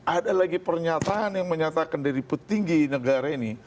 ada lagi pernyataan yang menyatakan dari petinggi negara ini